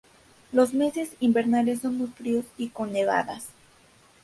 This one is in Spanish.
Los meses invernales son muy fríos, y con nevadas.